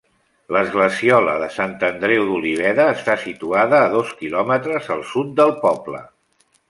L'esglesiola de Sant Andreu d'Oliveda està situada a dos quilòmetres al sud del poble.